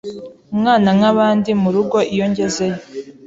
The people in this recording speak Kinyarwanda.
umwana nk’abandi mu rugo iyo ngezeyo